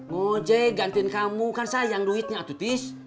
mau jay gantiin kamu kan sayang duitnya atuh tis